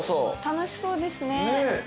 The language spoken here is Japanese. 楽しそうですね。